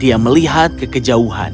dia melihat ke kejauhan